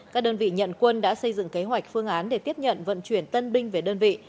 các đơn vị nhận quân đã xây dựng kế hoạch phương án để tiếp nhận vận chuyển tân binh về đơn vị